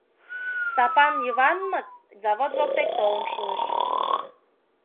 Стапан Йыванмыт завод воктек толын шуыч.